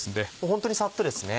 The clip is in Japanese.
ホントにさっとですね。